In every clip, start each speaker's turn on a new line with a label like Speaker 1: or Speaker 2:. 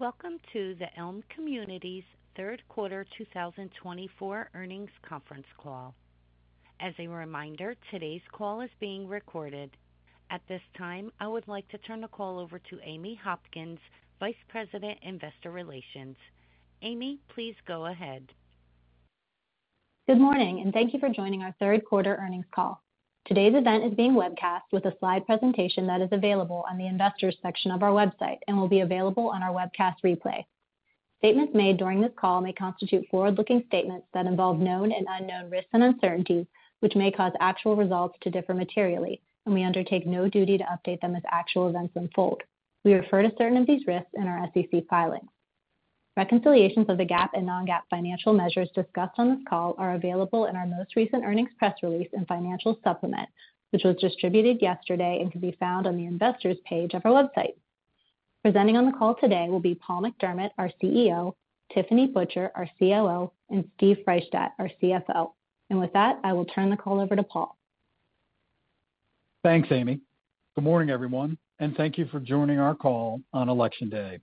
Speaker 1: Welcome to the Elme Communities Third Quarter 2024 Earnings Conference Call. As a reminder, today's call is being recorded. At this time, I would like to turn the call over to Amy Hopkins, Vice President, Investor Relations. Amy, please go ahead.
Speaker 2: Good morning, and thank you for joining our Third Quarter Earnings Call. Today's event is being webcast with a slide presentation that is available on the investors' section of our website and will be available on our webcast replay. Statements made during this call may constitute forward-looking statements that involve known and unknown risks and uncertainties, which may cause actual results to differ materially, and we undertake no duty to update them as actual events unfold. We refer to certain of these risks in our SEC filings. Reconciliations of the GAAP and non-GAAP financial measures discussed on this call are available in our most recent earnings press release and financial supplement, which was distributed yesterday and can be found on the investors' page of our website. Presenting on the call today will be Paul McDermott, our CEO, Tiffany Butcher, our COO, and Steven Freishtat, our CFO. With that, I will turn the call over to Paul.
Speaker 3: Thanks, Amy. Good morning, everyone, and thank you for joining our call on Election Day.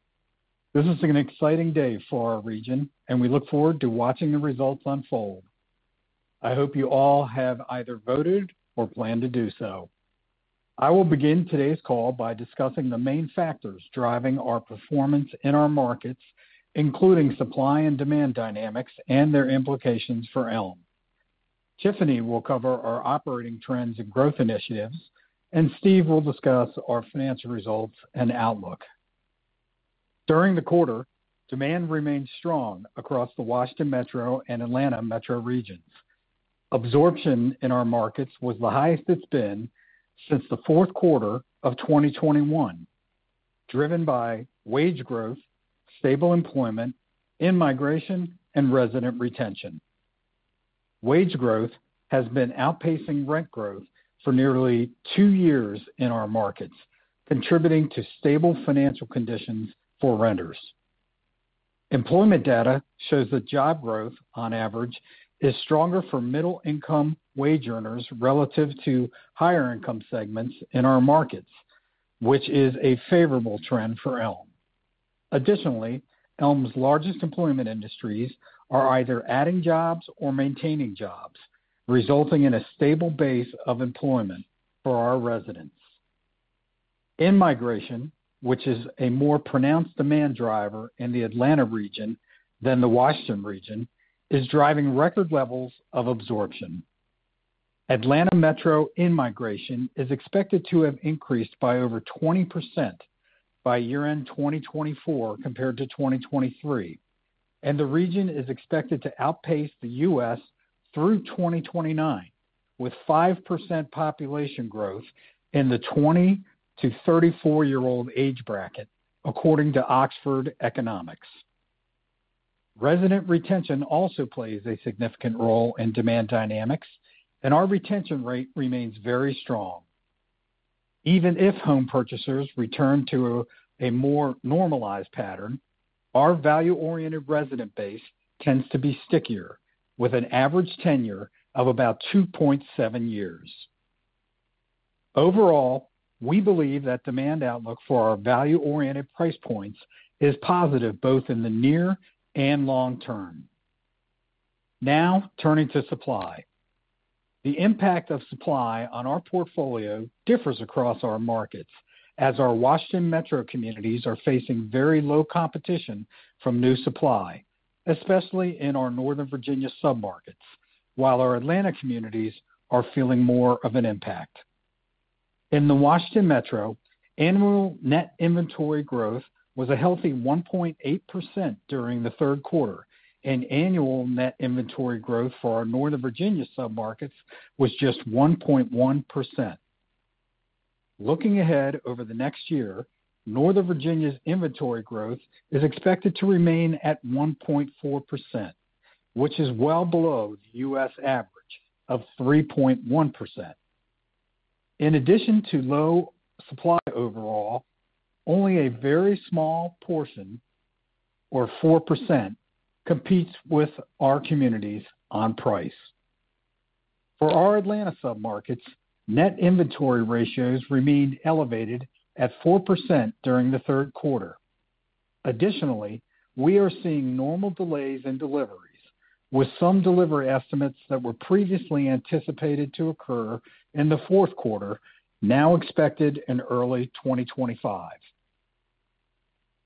Speaker 3: This is an exciting day for our region, and we look forward to watching the results unfold. I hope you all have either voted or plan to do so. I will begin today's call by discussing the main factors driving our performance in our markets, including supply and demand dynamics and their implications for Elme. Tiffany will cover our operating trends and growth initiatives, and Steve will discuss our financial results and outlook. During the quarter, demand remained strong across the Washington Metro and Atlanta Metro regions. Absorption in our markets was the highest it's been since the fourth quarter of 2021, driven by wage growth, stable employment, immigration, and resident retention. Wage growth has been outpacing rent growth for nearly two years in our markets, contributing to stable financial conditions for renters. Employment data shows that job growth, on average, is stronger for middle-income wage earners relative to higher-income segments in our markets, which is a favorable trend for Elme. Additionally, Elme's largest employment industries are either adding jobs or maintaining jobs, resulting in a stable base of employment for our residents. Immigration, which is a more pronounced demand driver in the Atlanta region than the Washington region, is driving record levels of absorption. Atlanta Metro immigration is expected to have increased by over 20% by year-end 2024 compared to 2023, and the region is expected to outpace the U.S. through 2029, with 5% population growth in the 20 to 34-year-old age bracket, according to Oxford Economics. Resident retention also plays a significant role in demand dynamics, and our retention rate remains very strong. Even if home purchasers return to a more normalized pattern, our value-oriented resident base tends to be stickier, with an average tenure of about 2.7 years. Overall, we believe that demand outlook for our value-oriented price points is positive both in the near and long term. Now, turning to supply. The impact of supply on our portfolio differs across our markets, as our Washington Metro communities are facing very low competition from new supply, especially in our Northern Virginia submarkets, while our Atlanta communities are feeling more of an impact. In the Washington Metro, annual net inventory growth was a healthy 1.8% during the third quarter, and annual net inventory growth for our Northern Virginia submarkets was just 1.1%. Looking ahead over the next year, Northern Virginia's inventory growth is expected to remain at 1.4%, which is well below the U.S. average of 3.1%. In addition to low supply overall, only a very small portion, or 4%, competes with our communities on price. For our Atlanta submarkets, net inventory ratios remained elevated at 4% during the third quarter. Additionally, we are seeing normal delays in deliveries, with some delivery estimates that were previously anticipated to occur in the fourth quarter now expected in early 2025.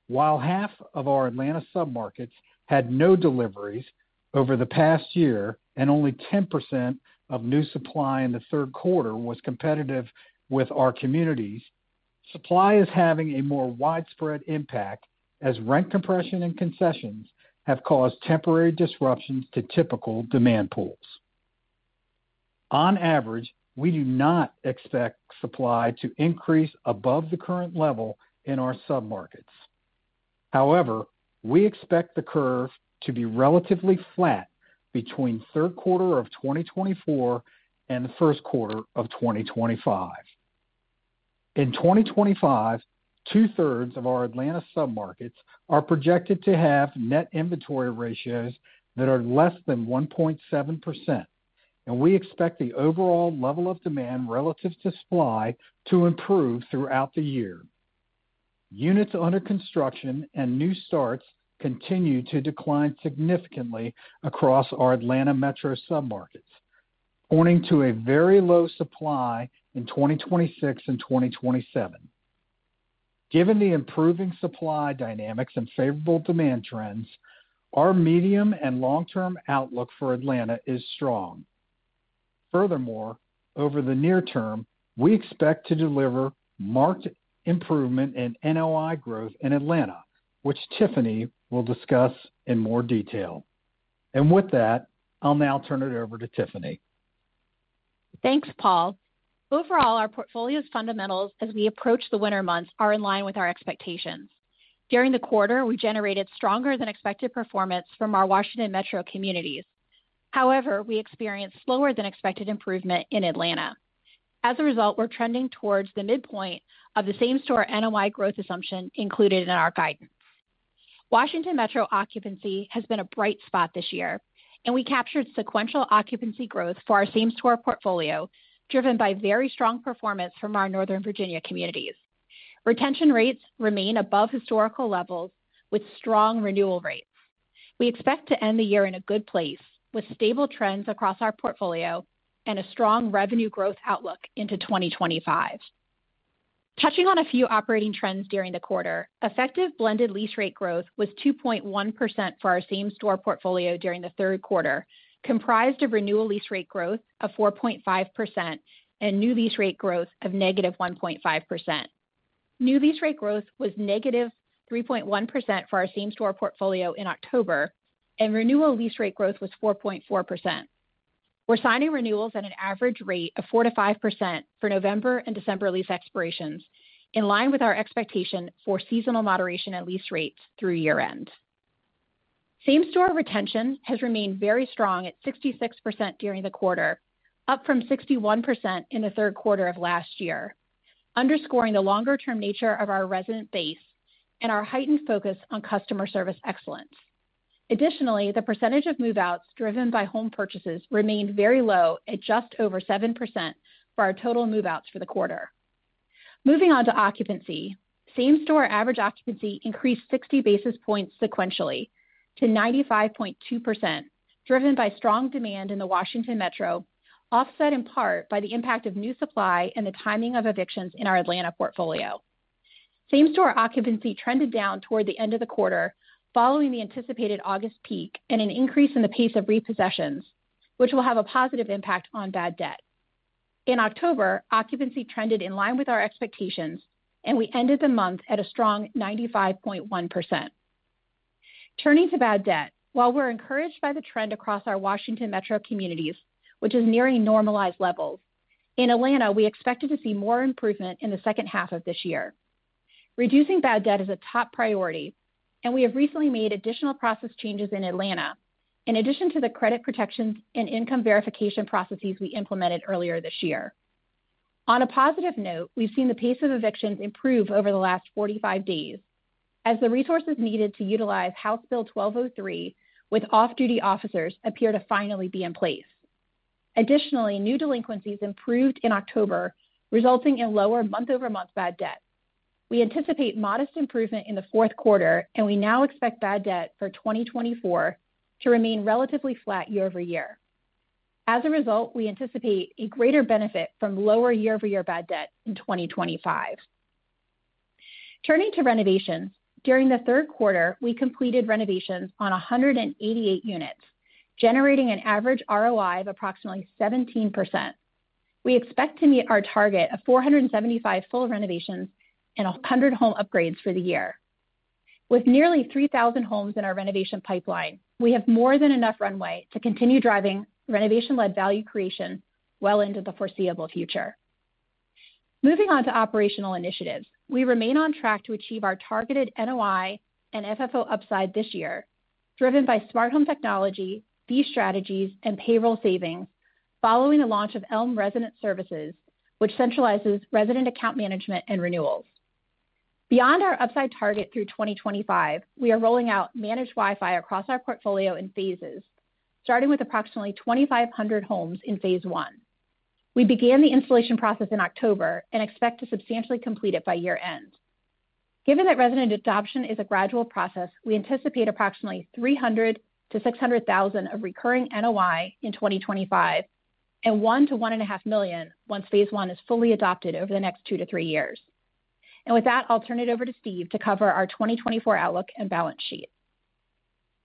Speaker 3: While half of our Atlanta submarkets had no deliveries over the past year and only 10% of new supply in the third quarter was competitive with our communities, supply is having a more widespread impact as rent compression and concessions have caused temporary disruptions to typical demand pools. On average, we do not expect supply to increase above the current level in our submarkets. However, we expect the curve to be relatively flat between the third quarter of 2024 and the first quarter of 2025. In 2025, two-thirds of our Atlanta submarkets are projected to have net inventory ratios that are less than 1.7%, and we expect the overall level of demand relative to supply to improve throughout the year. Units under construction and new starts continue to decline significantly across our Atlanta Metro submarkets, pointing to a very low supply in 2026 and 2027. Given the improving supply dynamics and favorable demand trends, our medium and long-term outlook for Atlanta is strong. Furthermore, over the near term, we expect to deliver marked improvement in NOI growth in Atlanta, which Tiffany will discuss in more detail. And with that, I'll now turn it over to Tiffany.
Speaker 4: Thanks, Paul. Overall, our portfolio's fundamentals as we approach the winter months are in line with our expectations. During the quarter, we generated stronger-than-expected performance from our Washington Metro communities. However, we experienced slower-than-expected improvement in Atlanta. As a result, we're trending towards the midpoint of the same-store NOI growth assumption included in our guidance. Washington Metro occupancy has been a bright spot this year, and we captured sequential occupancy growth for our same-store portfolio, driven by very strong performance from our Northern Virginia communities. Retention rates remain above historical levels, with strong renewal rates. We expect to end the year in a good place with stable trends across our portfolio and a strong revenue growth outlook into 2025. Touching on a few operating trends during the quarter, effective blended lease rate growth was 2.1% for our same-store portfolio during the third quarter, comprised of renewal lease rate growth of 4.5% and new lease rate growth of negative 1.5%. New lease rate growth was negative 3.1% for our same-store portfolio in October, and renewal lease rate growth was 4.4%. We're signing renewals at an average rate of 4%-5% for November and December lease expirations, in line with our expectation for seasonal moderation at lease rates through year-end. Same-store retention has remained very strong at 66% during the quarter, up from 61% in the third quarter of last year, underscoring the longer-term nature of our resident base and our heightened focus on customer service excellence. Additionally, the percentage of move-outs driven by home purchases remained very low at just over 7% for our total move-outs for the quarter. Moving on to occupancy, same-store average occupancy increased 60 basis points sequentially to 95.2%, driven by strong demand in the Washington Metro, offset in part by the impact of new supply and the timing of evictions in our Atlanta portfolio. Same-store occupancy trended down toward the end of the quarter following the anticipated August peak and an increase in the pace of repossessions, which will have a positive impact on bad debt. In October, occupancy trended in line with our expectations, and we ended the month at a strong 95.1%. Turning to bad debt, while we're encouraged by the trend across our Washington Metro communities, which is nearing normalized levels, in Atlanta, we expected to see more improvement in the second half of this year. Reducing bad debt is a top priority, and we have recently made additional process changes in Atlanta, in addition to the credit protections and income verification processes we implemented earlier this year. On a positive note, we've seen the pace of evictions improve over the last 45 days, as the resources needed to utilize House Bill 1203 with off-duty officers appear to finally be in place. Additionally, new delinquencies improved in October, resulting in lower month-over-month bad debt. We anticipate modest improvement in the fourth quarter, and we now expect bad debt for 2024 to remain relatively flat year-over-year. As a result, we anticipate a greater benefit from lower year-over-year bad debt in 2025. Turning to renovations, during the third quarter, we completed renovations on 188 units, generating an average ROI of approximately 17%. We expect to meet our target of 475 full renovations and 100 home upgrades for the year. With nearly 3,000 homes in our renovation pipeline, we have more than enough runway to continue driving renovation-led value creation well into the foreseeable future. Moving on to operational initiatives, we remain on track to achieve our targeted NOI and FFO upside this year, driven by smart home technology, fee strategies, and payroll savings, following the launch of Elme Resident Services, which centralizes resident account management and renewals. Beyond our upside target through 2025, we are rolling out managed Wi-Fi across our portfolio in phases, starting with approximately 2,500 homes in phase one. We began the installation process in October and expect to substantially complete it by year-end. Given that resident adoption is a gradual process, we anticipate approximately $300,000-$600,000 of recurring NOI in 2025 and $1-$1.5 million once phase one is fully adopted over the next two to three years. And with that, I'll turn it over to Steve to cover our 2024 outlook and balance sheet.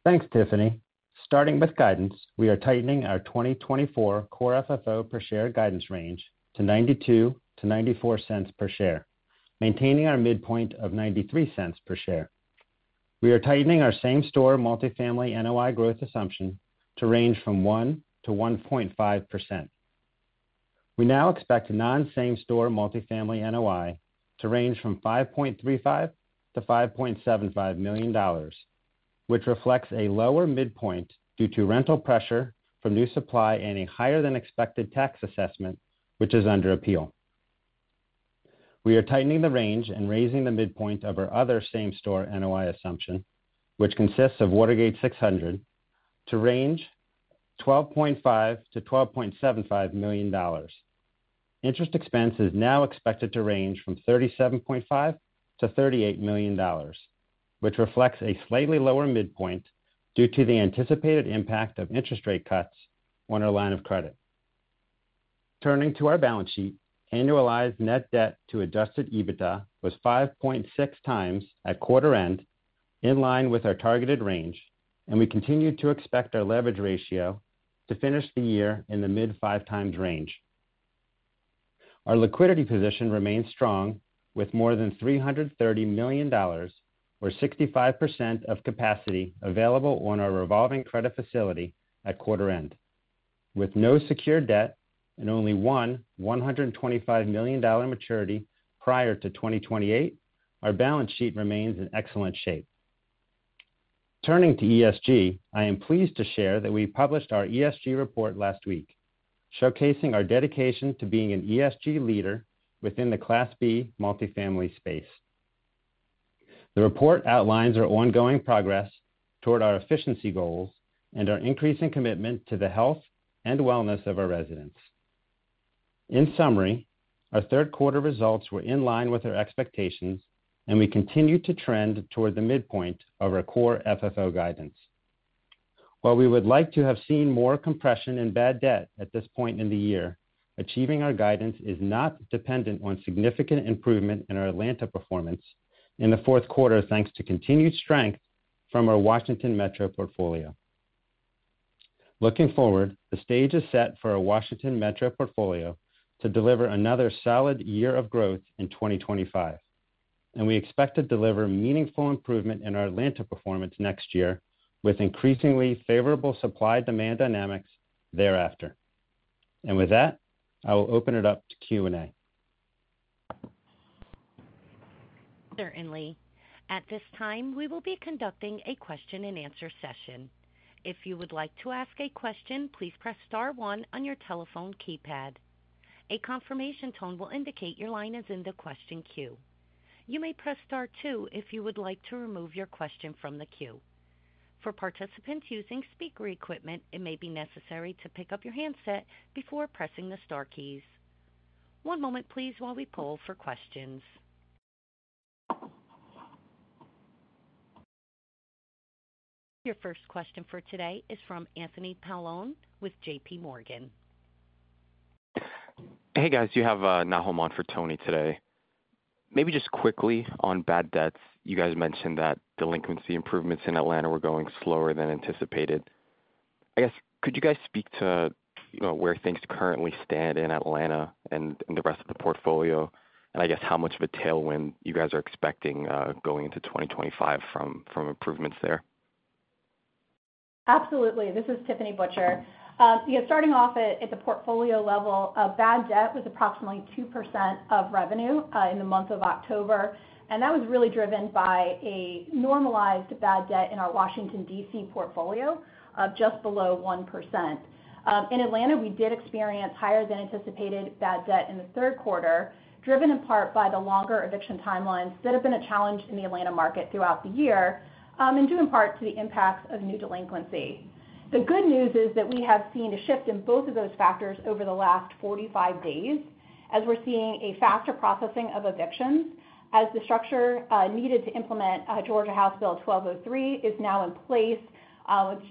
Speaker 5: Thanks, Tiffany. Starting with guidance, we are tightening our 2024 core FFO per share guidance range to $0.92-$0.94 per share, maintaining our midpoint of $0.93 per share. We are tightening our same-store multifamily NOI growth assumption to range from 1%-1.5%. We now expect a non-same-store multifamily NOI to range from $5.35 million-$5.75 million, which reflects a lower midpoint due to rental pressure from new supply and a higher-than-expected tax assessment, which is under appeal. We are tightening the range and raising the midpoint of our other same-store NOI assumption, which consists of Watergate 600, to range $12.5 million-$12.75 million. Interest expense is now expected to range from $37.5 million-$38 million, which reflects a slightly lower midpoint due to the anticipated impact of interest rate cuts on our line of credit. Turning to our balance sheet, annualized net debt to Adjusted EBITDA was 5.6 times at quarter-end, in line with our targeted range, and we continue to expect our leverage ratio to finish the year in the mid-5 times range. Our liquidity position remains strong, with more than $330 million, or 65% of capacity available on our revolving credit facility at quarter-end. With no secured debt and only one $125 million maturity prior to 2028, our balance sheet remains in excellent shape. Turning to ESG, I am pleased to share that we published our ESG report last week, showcasing our dedication to being an ESG leader within the Class B multifamily space. The report outlines our ongoing progress toward our efficiency goals and our increasing commitment to the health and wellness of our residents. In summary, our third quarter results were in line with our expectations, and we continue to trend toward the midpoint of our Core FFO guidance. While we would like to have seen more compression in bad debt at this point in the year, achieving our guidance is not dependent on significant improvement in our Atlanta performance in the fourth quarter, thanks to continued strength from our Washington Metro portfolio. Looking forward, the stage is set for our Washington Metro portfolio to deliver another solid year of growth in 2025, and we expect to deliver meaningful improvement in our Atlanta performance next year, with increasingly favorable supply-demand dynamics thereafter. And with that, I will open it up to Q&A.
Speaker 1: Certainly. At this time, we will be conducting a question-and-answer session. If you would like to ask a question, please press star one on your telephone keypad. A confirmation tone will indicate your line is in the question queue. You may press star two if you would like to remove your question from the queue. For participants using speaker equipment, it may be necessary to pick up your handset before pressing the star keys. One moment, please, while we poll for questions. Your first question for today is from Anthony Paolone with J.P. Morgan.
Speaker 6: Hey, guys. You have Nahom on for Tony today. Maybe just quickly, on bad debt, you guys mentioned that delinquency improvements in Atlanta were going slower than anticipated. I guess, could you guys speak to where things currently stand in Atlanta and the rest of the portfolio, and I guess how much of a tailwind you guys are expecting going into 2025 from improvements there?
Speaker 4: Absolutely. This is Tiffany Butcher. Yeah, starting off at the portfolio level, bad debt was approximately 2% of revenue in the month of October, and that was really driven by a normalized bad debt in our Washington, D.C. portfolio of just below 1%. In Atlanta, we did experience higher-than-anticipated bad debt in the third quarter, driven in part by the longer eviction timelines that have been a challenge in the Atlanta market throughout the year, and due in part to the impacts of new delinquency. The good news is that we have seen a shift in both of those factors over the last 45 days, as we're seeing a faster processing of evictions, as the structure needed to implement Georgia House Bill 1203 is now in place,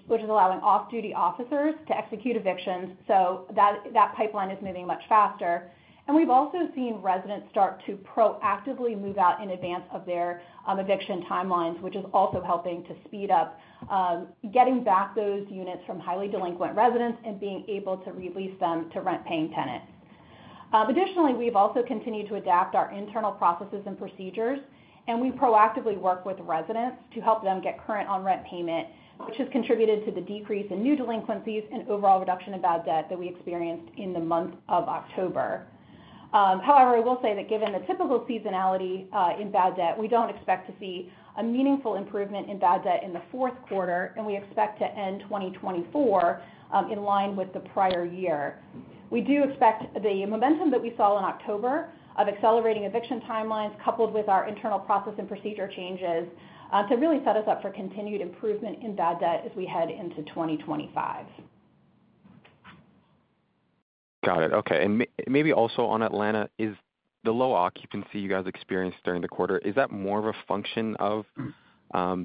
Speaker 4: which is allowing off-duty officers to execute evictions. So that pipeline is moving much faster. And we've also seen residents start to proactively move out in advance of their eviction timelines, which is also helping to speed up getting back those units from highly delinquent residents and being able to re-lease them to rent-paying tenants. Additionally, we've also continued to adapt our internal processes and procedures, and we proactively work with residents to help them get current on rent payment, which has contributed to the decrease in new delinquencies and overall reduction in bad debt that we experienced in the month of October. However, I will say that given the typical seasonality in bad debt, we don't expect to see a meaningful improvement in bad debt in the fourth quarter, and we expect to end 2024 in line with the prior year. We do expect the momentum that we saw in October of accelerating eviction timelines, coupled with our internal process and procedure changes, to really set us up for continued improvement in bad debt as we head into 2025.
Speaker 6: Got it. Okay. And maybe also on Atlanta, is the low occupancy you guys experienced during the quarter, is that more of a function of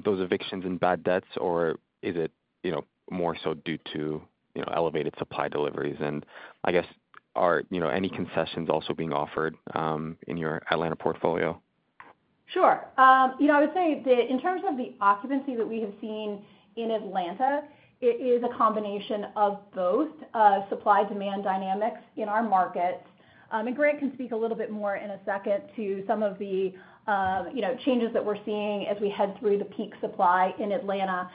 Speaker 6: those evictions and bad debts, or is it more so due to elevated supply deliveries? And I guess, are any concessions also being offered in your Atlanta portfolio?
Speaker 4: Sure. You know, I would say that in terms of the occupancy that we have seen in Atlanta, it is a combination of both supply-demand dynamics in our markets. Grant can speak a little bit more in a second to some of the changes that we're seeing as we head through the peak supply in Atlanta.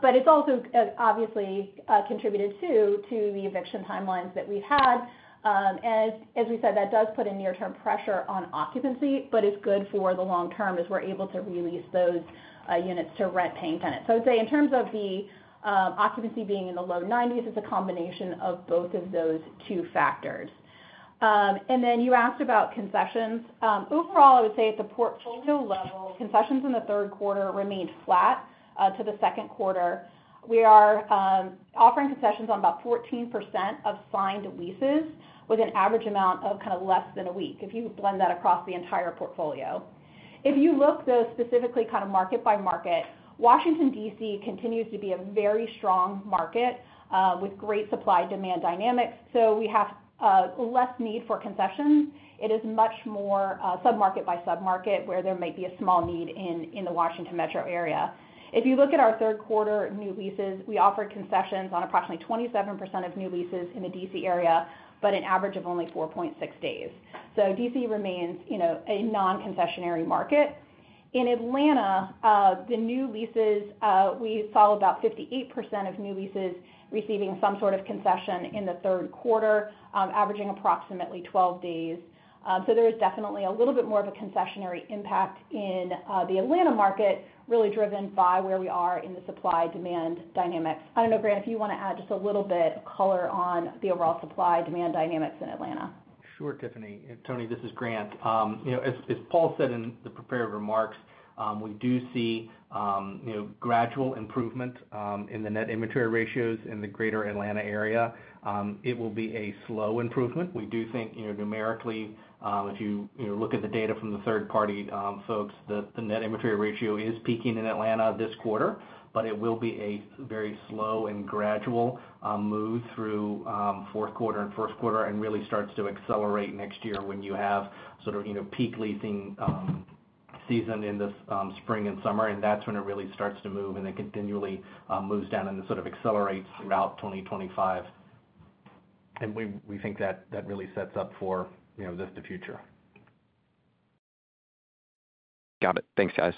Speaker 4: But it's also obviously contributed to the eviction timelines that we've had. And as we said, that does put a near-term pressure on occupancy, but it's good for the long term as we're able to release those units to rent-paying tenants. So I would say in terms of the occupancy being in the low 90s, it's a combination of both of those two factors. And then you asked about concessions. Overall, I would say at the portfolio level, concessions in the third quarter remained flat to the second quarter. We are offering concessions on about 14% of signed leases with an average amount of kind of less than a week if you blend that across the entire portfolio. If you look, though, specifically kind of market by market, Washington, D.C. continues to be a very strong market with great supply-demand dynamics, so we have less need for concessions. It is much more sub-market by sub-market where there might be a small need in the Washington Metro area. If you look at our third quarter new leases, we offered concessions on approximately 27% of new leases in the D.C. area, but an average of only 4.6 days. So D.C. remains a non-concessionary market. In Atlanta, the new leases, we saw about 58% of new leases receiving some sort of concession in the third quarter, averaging approximately 12 days. So there is definitely a little bit more of a concessionary impact in the Atlanta market, really driven by where we are in the supply-demand dynamics. I don't know, Grant, if you want to add just a little bit of color on the overall supply-demand dynamics in Atlanta?
Speaker 7: Sure, Tiffany. Tony, this is Grant. As Paul said in the prepared remarks, we do see gradual improvement in the net inventory ratios in the greater Atlanta area. It will be a slow improvement. We do think numerically, if you look at the data from the third-party folks, the net inventory ratio is peaking in Atlanta this quarter, but it will be a very slow and gradual move through fourth quarter and first quarter and really starts to accelerate next year when you have sort of peak leasing season in the spring and summer, and that's when it really starts to move and then continually moves down and sort of accelerates throughout 2025, and we think that that really sets up for the future.
Speaker 6: Got it. Thanks, guys.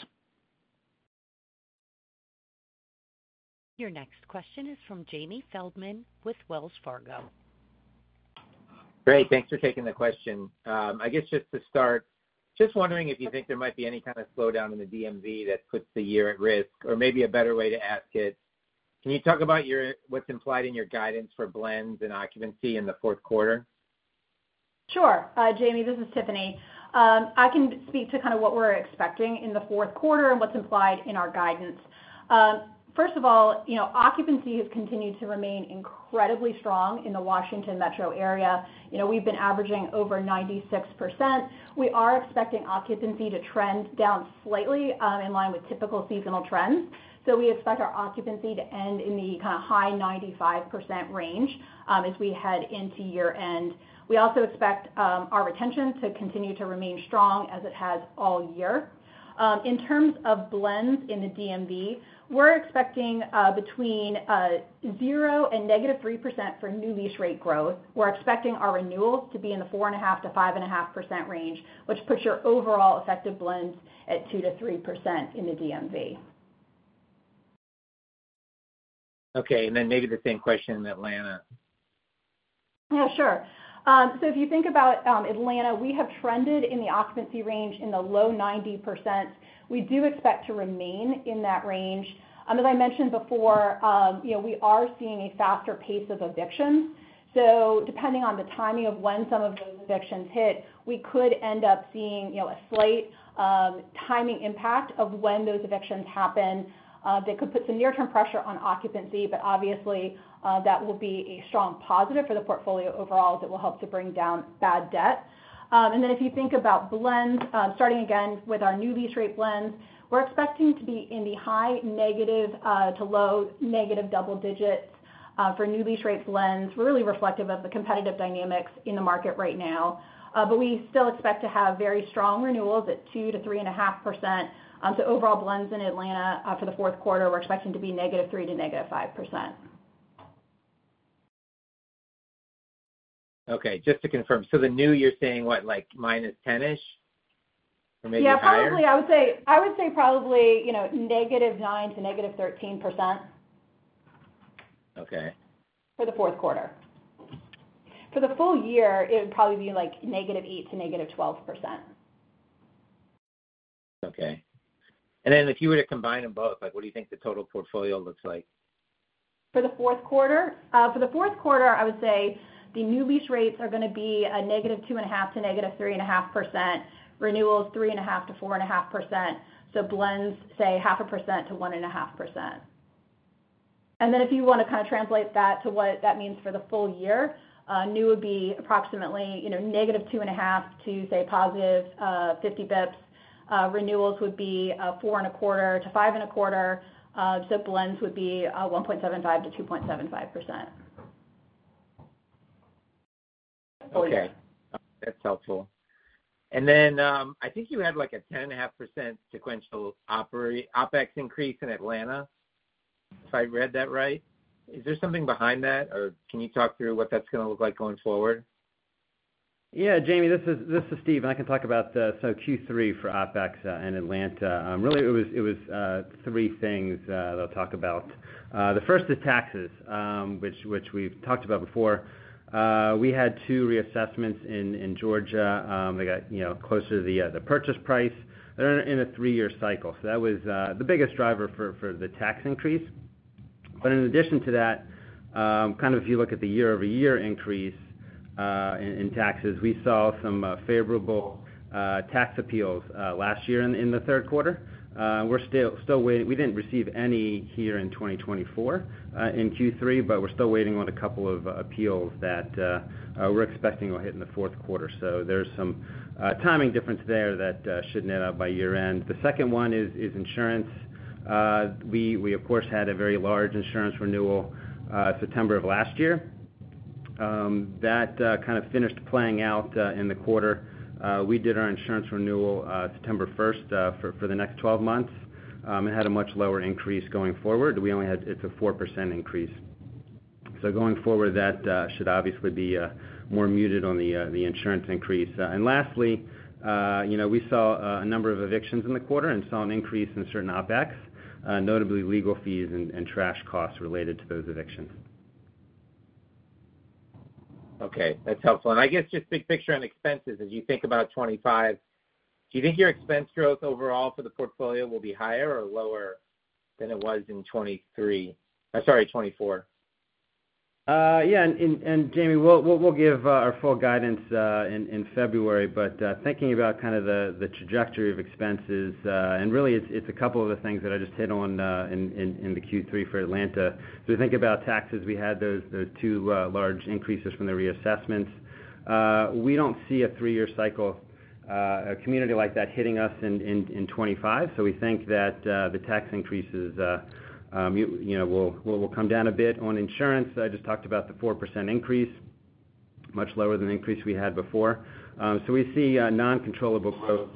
Speaker 1: Your next question is from Jamie Feldman with Wells Fargo.
Speaker 8: Great. Thanks for taking the question. I guess just to start, just wondering if you think there might be any kind of slowdown in the DMV that puts the year at risk, or maybe a better way to ask it. Can you talk about what's implied in your guidance for blends and occupancy in the fourth quarter?
Speaker 4: Sure. Jamie, this is Tiffany. I can speak to kind of what we're expecting in the fourth quarter and what's implied in our guidance. First of all, occupancy has continued to remain incredibly strong in the Washington Metro area. We've been averaging over 96%. We are expecting occupancy to trend down slightly in line with typical seasonal trends. So we expect our occupancy to end in the kind of high 95% range as we head into year-end. We also expect our retention to continue to remain strong as it has all year. In terms of blends in the DMV, we're expecting between 0% and -3% for new lease rate growth. We're expecting our renewals to be in the 4.5%-5.5% range, which puts your overall effective blends at 2%-3% in the DMV.
Speaker 8: Okay, and then maybe the same question in Atlanta.
Speaker 4: Yeah, sure. So if you think about Atlanta, we have trended in the occupancy range in the low 90%. We do expect to remain in that range. As I mentioned before, we are seeing a faster pace of evictions. So depending on the timing of when some of those evictions hit, we could end up seeing a slight timing impact of when those evictions happen that could put some near-term pressure on occupancy, but obviously, that will be a strong positive for the portfolio overall that will help to bring down bad debt. And then if you think about blends, starting again with our new lease rate blends, we're expecting to be in the high negative to low negative double digits for new lease rate blends, really reflective of the competitive dynamics in the market right now. But we still expect to have very strong renewals at 2-3.5%. So overall blends in Atlanta for the fourth quarter, we're expecting to be -3% to -5%.
Speaker 8: Okay. Just to confirm, so the new, you're saying what, like minus 10-ish or maybe higher?
Speaker 4: Yeah, probably. I would say probably -9% to -13% for the fourth quarter. For the full year, it would probably be like -8% to -2%.
Speaker 8: Okay. And then if you were to combine them both, what do you think the total portfolio looks like?
Speaker 4: For the fourth quarter, I would say the new lease rates are going to be -2.5% to -3.5%, renewals 3.5% to 4.5%, so blends, say, 0.5% to 1.5%, and then if you want to kind of translate that to what that means for the full year, new would be approximately negative 2.5% to, say, positive 50 basis points. Renewals would be 4.25% to 5.25%, so blends would be 1.75% to 2.75%.
Speaker 8: Okay. That's helpful. And then I think you had like a 10.5% sequential OpEx increase in Atlanta, if I read that right. Is there something behind that, or can you talk through what that's going to look like going forward?
Speaker 5: Yeah. Jamie, this is Steven. I can talk about so Q3 for OpEx in Atlanta. Really, it was three things they'll talk about. The first is taxes, which we've talked about before. We had two reassessments in Georgia. They got closer to the purchase price. They're in a three-year cycle. So that was the biggest driver for the tax increase. But in addition to that, kind of if you look at the year-over-year increase in taxes, we saw some favorable tax appeals last year in the third quarter. We're still waiting. We didn't receive any here in 2024 in Q3, but we're still waiting on a couple of appeals that we're expecting will hit in the fourth quarter. So there's some timing difference there that should net up by year-end. The second one is insurance. We, of course, had a very large insurance renewal September of last year. That kind of finished playing out in the quarter. We did our insurance renewal, September 1st, for the next 12 months and had a much lower increase going forward. We only had. It's a 4% increase. So going forward, that should obviously be more muted on the insurance increase. And lastly, we saw a number of evictions in the quarter and saw an increase in certain OpEx, notably legal fees and trash costs related to those evictions.
Speaker 8: Okay. That's helpful, and I guess just big picture on expenses, as you think about 2025, do you think your expense growth overall for the portfolio will be higher or lower than it was in 2023? Sorry, 2024.
Speaker 5: Yeah. And Jamie, we'll give our full guidance in February, but thinking about kind of the trajectory of expenses, and really, it's a couple of the things that I just hit on in the Q3 for Atlanta. So we think about taxes. We had those two large increases from the reassessments. We don't see a three-year cycle, a community like that hitting us in 2025. So we think that the tax increases will come down a bit. On insurance, I just talked about the 4% increase, much lower than the increase we had before. So we see non-controllable growth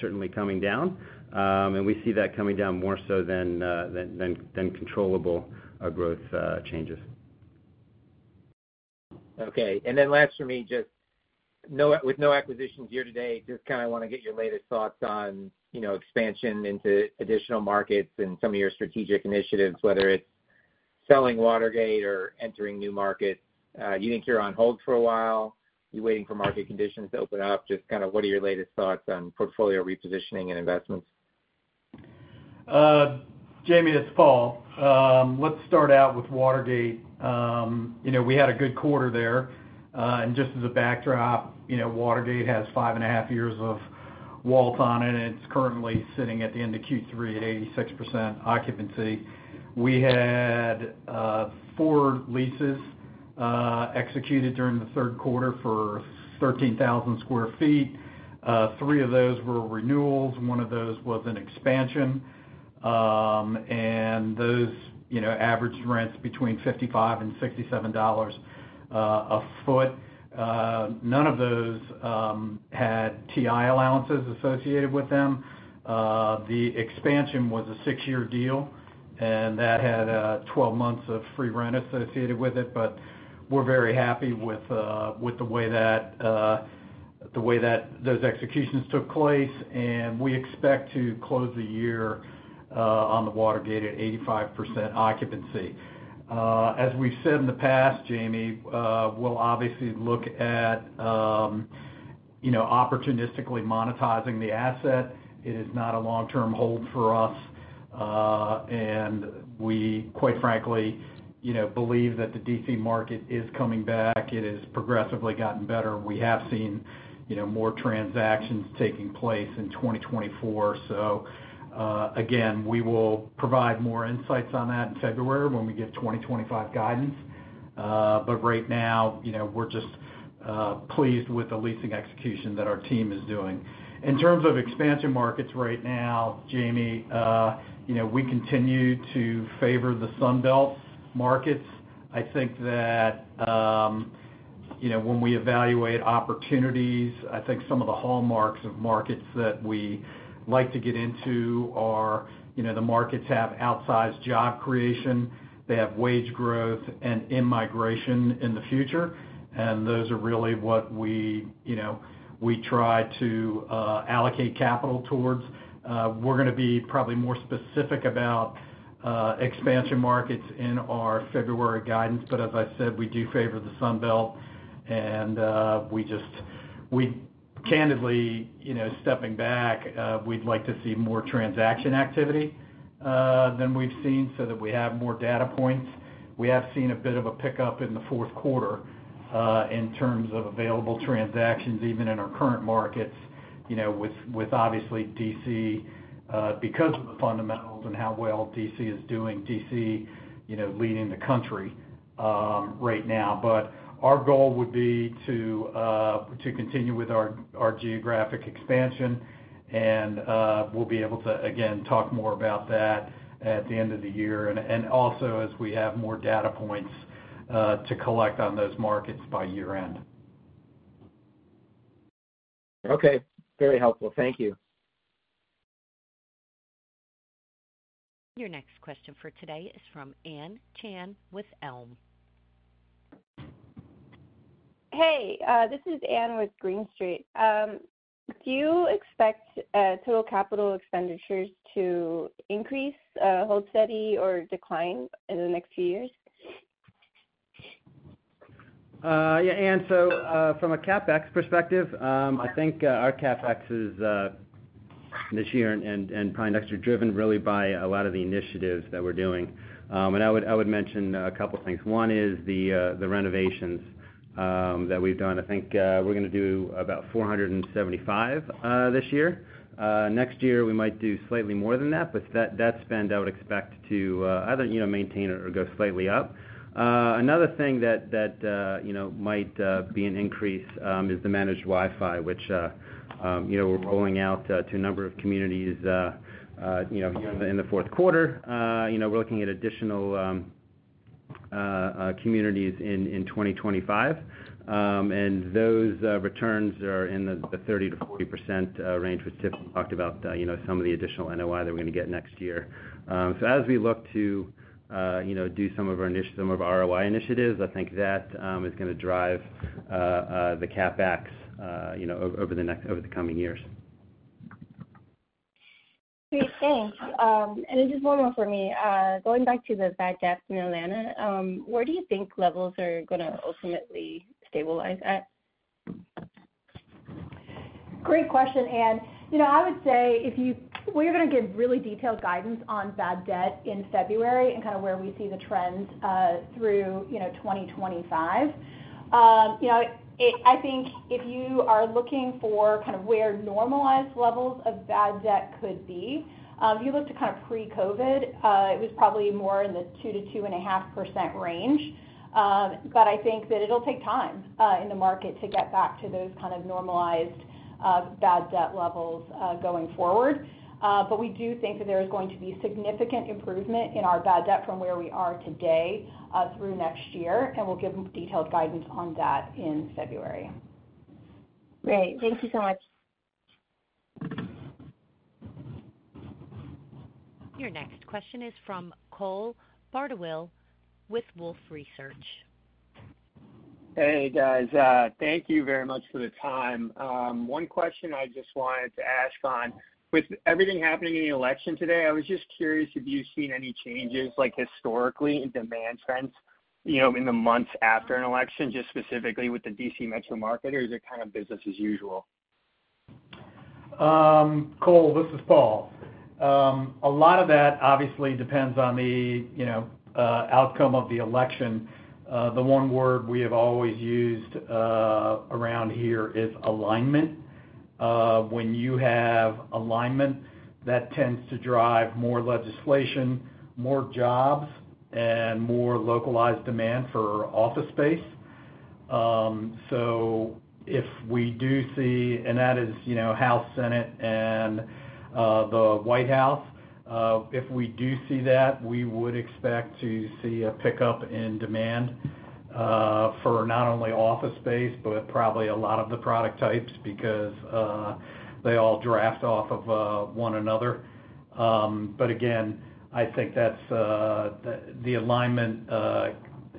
Speaker 5: certainly coming down, and we see that coming down more so than controllable growth changes.
Speaker 8: Okay. And then last for me, just with no acquisitions year to date, just kind of want to get your latest thoughts on expansion into additional markets and some of your strategic initiatives, whether it's selling Watergate or entering new markets. You think you're on hold for a while? You're waiting for market conditions to open up. Just kind of what are your latest thoughts on portfolio repositioning and investments?
Speaker 3: Jamie, it's Paul. Let's start out with Watergate. We had a good quarter there. And just as a backdrop, Watergate has five and a half years of WALT on it, and it's currently sitting at the end of Q3 at 86% occupancy. We had four leases executed during the third quarter for 13,000 sq ft. Three of those were renewals. One of those was an expansion. And those averaged rents between $55-$67 a foot. None of those had TI allowances associated with them. The expansion was a six-year deal, and that had 12 months of free rent associated with it. But we're very happy with the way that those executions took place, and we expect to close the year on the Watergate at 85% occupancy. As we've said in the past, Jamie, we'll obviously look at opportunistically monetizing the asset. It is not a long-term hold for us. And we, quite frankly, believe that the D.C. market is coming back. It has progressively gotten better. We have seen more transactions taking place in 2024. So again, we will provide more insights on that in February when we give 2025 guidance. But right now, we're just pleased with the leasing execution that our team is doing. In terms of expansion markets right now, Jamie, we continue to favor the Sunbelt markets. I think that when we evaluate opportunities, I think some of the hallmarks of markets that we like to get into are the markets have outsized job creation. They have wage growth and immigration in the future. And those are really what we try to allocate capital towards. We're going to be probably more specific about expansion markets in our February guidance. But as I said, we do favor the Sunbelt. And we just, candidly, stepping back, we'd like to see more transaction activity than we've seen so that we have more data points. We have seen a bit of a pickup in the fourth quarter in terms of available transactions, even in our current markets, with obviously D.C. because of the fundamentals and how well D.C. is doing, D.C. leading the country right now. But our goal would be to continue with our geographic expansion. And we'll be able to, again, talk more about that at the end of the year, and also as we have more data points to collect on those markets by year-end.
Speaker 8: Okay. Very helpful. Thank you.
Speaker 1: Your next question for today is from Ann Chan with Green Street.
Speaker 9: Hey, this is Anne with Green Street. Do you expect total capital expenditures to increase, hold steady, or decline in the next few years?
Speaker 5: Yeah, Anne, so from a CapEx perspective, I think our CapEx is this year and probably next year driven really by a lot of the initiatives that we're doing. And I would mention a couple of things. One is the renovations that we've done. I think we're going to do about 475 this year. Next year, we might do slightly more than that, but that spend, I would expect to either maintain or go slightly up. Another thing that might be an increase is the managed Wi-Fi, which we're rolling out to a number of communities in the fourth quarter. We're looking at additional communities in 2025. And those returns are in the 30%-40% range, which Tiffany talked about, some of the additional NOI that we're going to get next year. So as we look to do some of our ROI initiatives, I think that is going to drive the CapEx over the coming years.
Speaker 9: Great. Thanks. And just one more for me. Going back to the bad debt in Atlanta, where do you think levels are going to ultimately stabilize at?
Speaker 4: Great question, Anne. I would say if we're going to give really detailed guidance on bad debt in February and kind of where we see the trends through 2025. I think if you are looking for kind of where normalized levels of bad debt could be, if you look to kind of pre-COVID, it was probably more in the 2-2.5% range. But I think that it'll take time in the market to get back to those kind of normalized bad debt levels going forward. But we do think that there is going to be significant improvement in our bad debt from where we are today through next year. And we'll give detailed guidance on that in February.
Speaker 9: Great. Thank you so much.
Speaker 1: Your next question is from Cole Bardawil with Wolfe Research.
Speaker 10: Hey, guys. Thank you very much for the time. One question I just wanted to ask on, with everything happening in the election today, I was just curious if you've seen any changes historically in demand trends in the months after an election, just specifically with the D.C. metro market, or is it kind of business as usual?
Speaker 3: Cole, this is Paul. A lot of that obviously depends on the outcome of the election. The one word we have always used around here is alignment. When you have alignment, that tends to drive more legislation, more jobs, and more localized demand for office space. So if we do see, and that is House, Senate, and the White House, if we do see that, we would expect to see a pickup in demand for not only office space, but probably a lot of the product types because they all draft off of one another. But again, I think that the alignment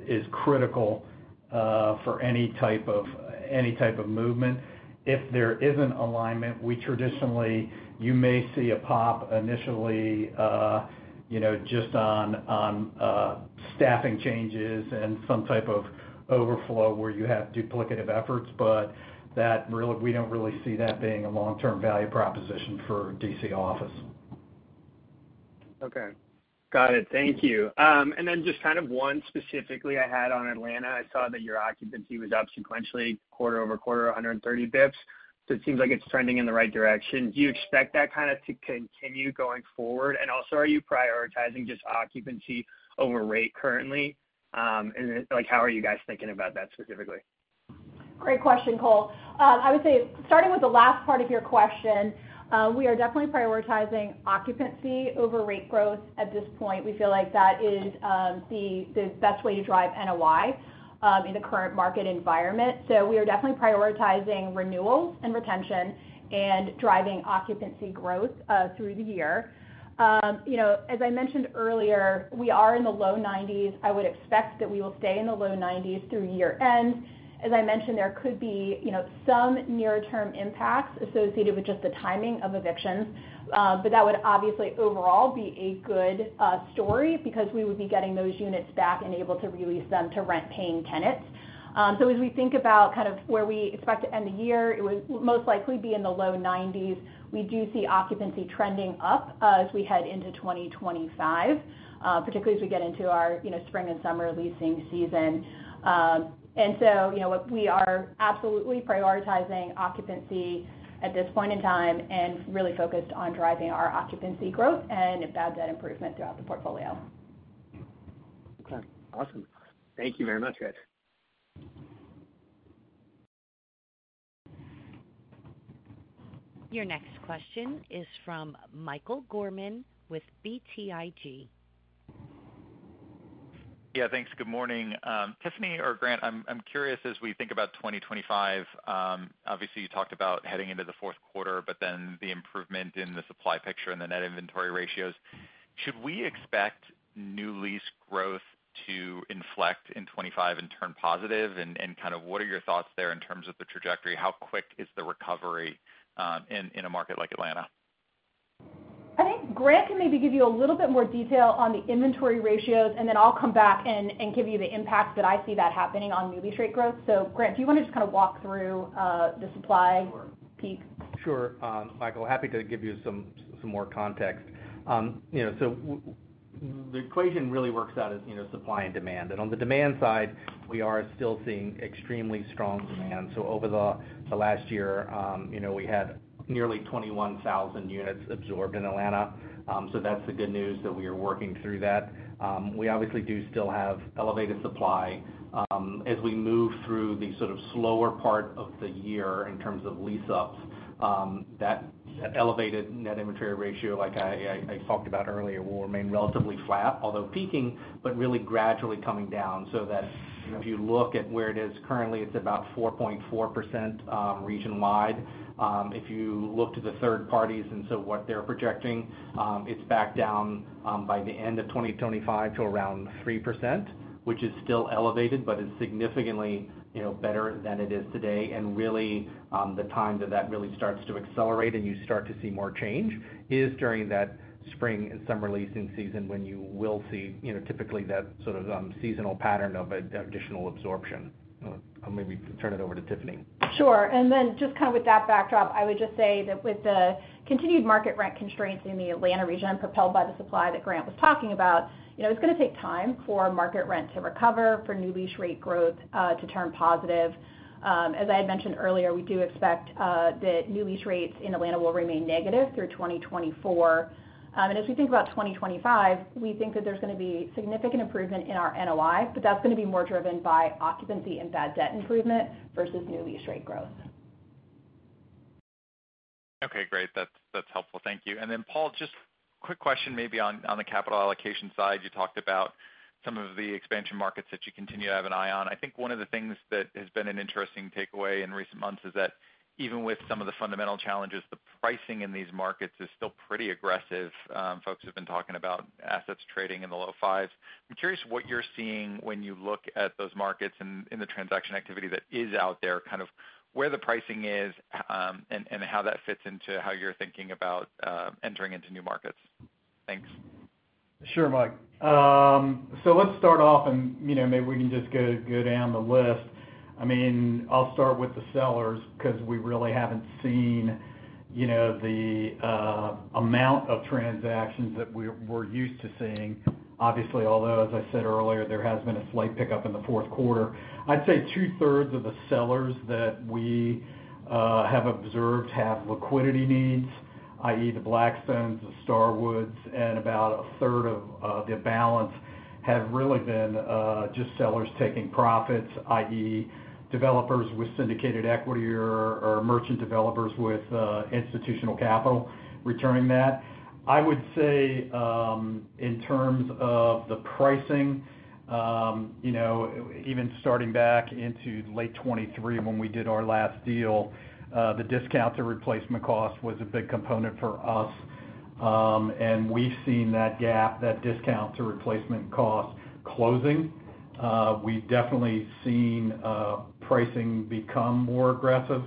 Speaker 3: is critical for any type of movement. If there isn't alignment, we traditionally you may see a pop initially just on staffing changes and some type of overflow where you have duplicative efforts. But we don't really see that being a long-term value proposition for D.C. office.
Speaker 10: Okay. Got it. Thank you. And then just kind of one specifically I had on Atlanta. I saw that your occupancy was up sequentially quarter over quarter, 130 basis points. So it seems like it's trending in the right direction. Do you expect that kind of to continue going forward? And also, are you prioritizing just occupancy over rate currently? And how are you guys thinking about that specifically?
Speaker 4: Great question, Cole. I would say starting with the last part of your question, we are definitely prioritizing occupancy over rate growth at this point. We feel like that is the best way to drive NOI in the current market environment. So we are definitely prioritizing renewals and retention and driving occupancy growth through the year. As I mentioned earlier, we are in the low 90s. I would expect that we will stay in the low 90s through year-end. As I mentioned, there could be some near-term impacts associated with just the timing of evictions. But that would obviously overall be a good story because we would be getting those units back and able to release them to rent-paying tenants. So as we think about kind of where we expect to end the year, it would most likely be in the low 90s. We do see occupancy trending up as we head into 2025, particularly as we get into our spring and summer leasing season. And so we are absolutely prioritizing occupancy at this point in time and really focused on driving our occupancy growth and bad debt improvement throughout the portfolio.
Speaker 10: Okay. Awesome. Thank you very much, guys.
Speaker 1: Your next question is from Michael Gorman with BTIG.
Speaker 11: Yeah. Thanks. Good morning. Tiffany or Grant, I'm curious as we think about 2025, obviously you talked about heading into the fourth quarter, but then the improvement in the supply picture and the net inventory ratios. Should we expect new lease growth to inflect in 2025 and turn positive? And kind of what are your thoughts there in terms of the trajectory? How quick is the recovery in a market like Atlanta?
Speaker 4: I think Grant can maybe give you a little bit more detail on the inventory ratios, and then I'll come back and give you the impacts that I see that happening on new lease rate growth. So Grant, do you want to just kind of walk through the supply peak?
Speaker 7: Sure. Michael, happy to give you some more context. So the equation really works out as supply and demand. And on the demand side, we are still seeing extremely strong demand. So over the last year, we had nearly 21,000 units absorbed in Atlanta. So that's the good news that we are working through that. We obviously do still have elevated supply. As we move through the sort of slower part of the year in terms of lease-ups, that elevated net inventory ratio, like I talked about earlier, will remain relatively flat, although peaking, but really gradually coming down. So that if you look at where it is currently, it's about 4.4% region-wide. If you look to the third parties and so what they're projecting, it's back down by the end of 2025 to around 3%, which is still elevated, but is significantly better than it is today. Really, the time that that really starts to accelerate and you start to see more change is during that spring and summer leasing season when you will see typically that sort of seasonal pattern of additional absorption. Maybe turn it over to Tiffany.
Speaker 4: Sure. And then just kind of with that backdrop, I would just say that with the continued market rent constraints in the Atlanta region propelled by the supply that Grant was talking about, it's going to take time for market rent to recover, for new lease rate growth to turn positive. As I had mentioned earlier, we do expect that new lease rates in Atlanta will remain negative through 2024. And as we think about 2025, we think that there's going to be significant improvement in our NOI, but that's going to be more driven by occupancy and bad debt improvement versus new lease rate growth.
Speaker 11: Okay. Great. That's helpful. Thank you. And then Paul, just quick question maybe on the capital allocation side. You talked about some of the expansion markets that you continue to have an eye on. I think one of the things that has been an interesting takeaway in recent months is that even with some of the fundamental challenges, the pricing in these markets is still pretty aggressive. Folks have been talking about assets trading in the low fives. I'm curious what you're seeing when you look at those markets and the transaction activity that is out there, kind of where the pricing is and how that fits into how you're thinking about entering into new markets. Thanks.
Speaker 3: Sure, Mike, so let's start off, and maybe we can just go down the list. I mean, I'll start with the sellers because we really haven't seen the amount of transactions that we're used to seeing. Obviously, although, as I said earlier, there has been a slight pickup in the fourth quarter. I'd say two-thirds of the sellers that we have observed have liquidity needs, i.e., the Blackstones, the Starwoods, and about a third of the balance have really been just sellers taking profits, i.e., developers with syndicated equity or merchant developers with institutional capital returning that. I would say in terms of the pricing, even starting back into late 2023 when we did our last deal, the discount to replacement cost was a big component for us, and we've seen that gap, that discount to replacement cost closing. We've definitely seen pricing become more aggressive.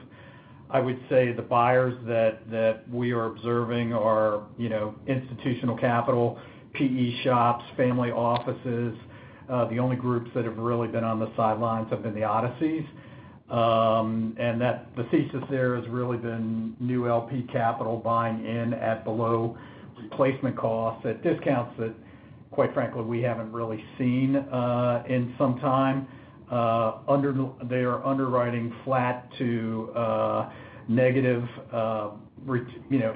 Speaker 3: I would say the buyers that we are observing are institutional capital, PE shops, family offices. The only groups that have really been on the sidelines have been the Odysseys, and the thesis there has really been new LP capital buying in at below replacement costs at discounts that, quite frankly, we haven't really seen in some time. They are underwriting flat to negative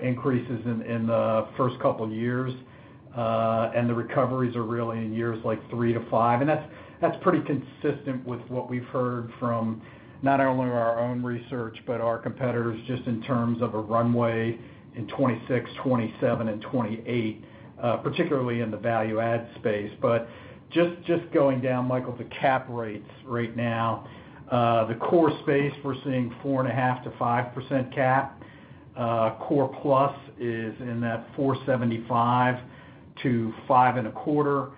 Speaker 3: increases in the first couple of years, and the recoveries are really in years like three to five. That's pretty consistent with what we've heard from not only our own research, but our competitors just in terms of a runway in 2026, 2027, and 2028, particularly in the value-add space. Just going down, Michael, the cap rates right now, the core space, we're seeing 4.5%-5% cap. Core Plus is in that 4.75%-5.25%.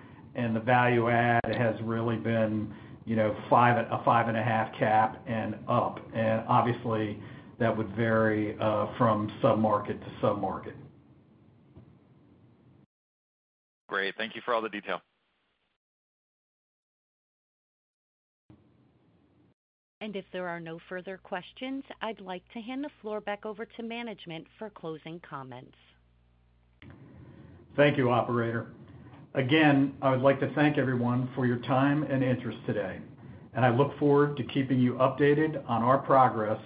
Speaker 3: The value-add has really been a 5.5 cap and up. And obviously, that would vary from sub-market to sub-market.
Speaker 11: Great. Thank you for all the detail.
Speaker 1: If there are no further questions, I'd like to hand the floor back over to management for closing comments.
Speaker 3: Thank you, Operator. Again, I would like to thank everyone for your time and interest today, and I look forward to keeping you updated on our progress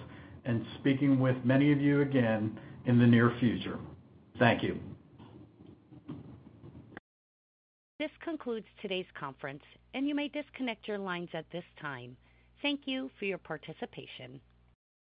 Speaker 3: and speaking with many of you again in the near future. Thank you.
Speaker 1: This concludes today's conference, and you may disconnect your lines at this time. Thank you for your participation.